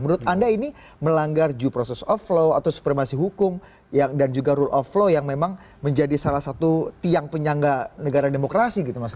menurut anda ini melanggar due process of law atau supremasi hukum dan juga rule of law yang memang menjadi salah satu tiang penyangga negara demokrasi gitu mas